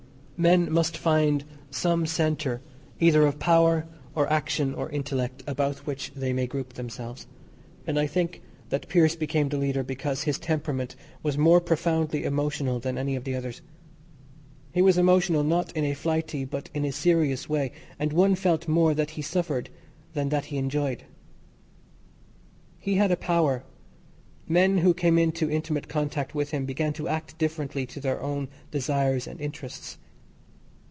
Men must find some centre either of power or action or intellect about which they may group themselves, and I think that Pearse became the leader because his temperament was more profoundly emotional than any of the others. He was emotional not in a flighty, but in a serious way, and one felt more that he suffered than that he enjoyed. He had a power; men who came into intimate contact with him began to act differently to their own desires and interests.